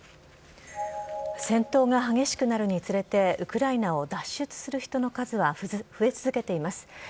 戦闘が激しくなるにつれてウクライナを脱出する人の数は増え続けています。